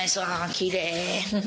きれい。